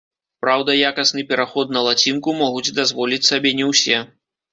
Праўда, якасны пераход на лацінку могуць дазволіць сабе не ўсе.